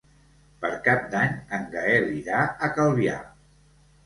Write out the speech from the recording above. Per Cap d'Any en Gaël irà a Calvià.